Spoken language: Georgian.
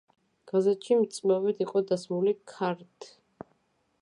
გაზეთში მწვავედ იყო დასმული ქართ.